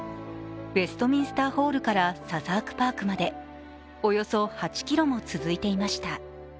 ウェストミンスターホールからサザークパークまでおよそ８ｋｍも続いていました。